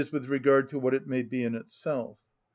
_, with regard to what it may be in itself.